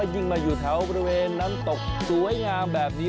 ยิ่งมาทางนั้นตกสวยงามแบบนี้